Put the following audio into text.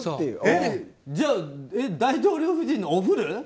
じゃあ、大統領夫人のお古？